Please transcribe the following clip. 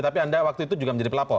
tapi anda waktu itu juga menjadi pelapor